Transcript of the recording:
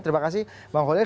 terima kasih bang holil